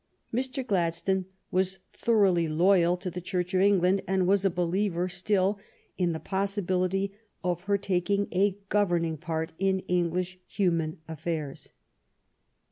Mr. Gladstone was thoroughly loyal to the Church of England, and was a believer still in the possibility of her taking a governing part in English human affairs.